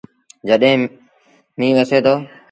جڏهيݩ ميݩهن وسي دو۔